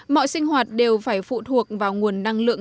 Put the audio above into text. mọi sinh hoạt đều phải phụ thuộc vào nguồn năng lượng